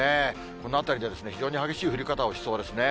この辺りで非常に激しい降り方をしそうですね。